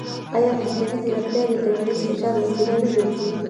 ایا مصنوعي ځیرکتیا د ټولنیز فشار وسیله نه ګرځي؟